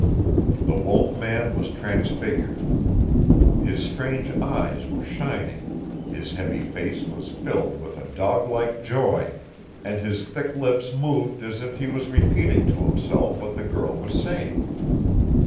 The wolf man was transfigured. His strange eyes were shining, his heavy face was filled with a dog like joy, and his thick lips moved as if he was repeating to himself what the girl was saying.